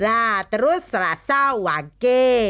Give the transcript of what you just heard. lah terus selasa wage